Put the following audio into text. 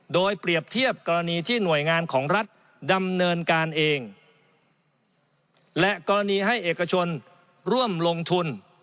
โดยเปรียบเทียบกรณีที่หน่วยงานของรัฐดำเนินการเองและกรณีให้เอกชนร่วมลงทุน